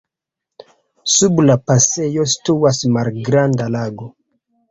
Sub la pasejo situas malgranda lago.